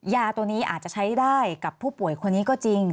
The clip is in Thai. ยาตัวนี้อาจจะใช้ได้กับผู้ป่วยคนนี้ก็จริง